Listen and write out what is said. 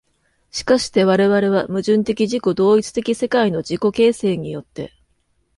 而して我々は矛盾的自己同一的世界の自己形成によって、